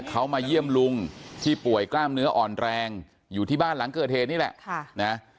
เขามาเยี่ยมลุงที่ป่วยกล้ามเนื้ออ่อนแรงอยู่ที่บ้านหลังเกิดเหตุนี่แหละ